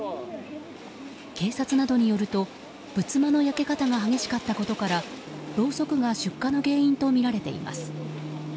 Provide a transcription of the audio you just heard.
警察などによると仏間の焼け方が激しかったことからろうそくが出火の原因とみられています。